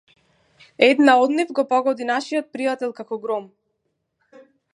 Една од нив го погоди нашиот пријател како гром.